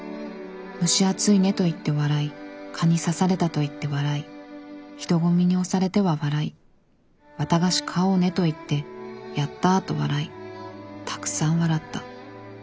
蒸し暑いねと言って笑い蚊に刺されたと言って笑い人込みに押されては笑い綿菓子買おうねと言って『やったァ』と笑いたくさん笑った。